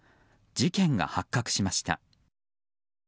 事件が発覚しました。